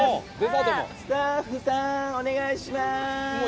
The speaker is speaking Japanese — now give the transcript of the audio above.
スタッフさん、お願いします！